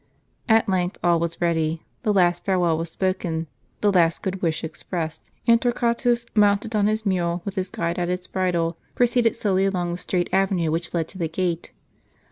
At length all was ready; the last farewell was spoken, the last good wish expressed; and Torquatus, mounted on his mule, with his guide at its bridle, proceeded slowly along the straight avenue which led to the gate.